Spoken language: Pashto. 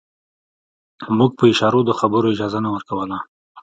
موږ په اشارو د خبرو اجازه نه ورکوله.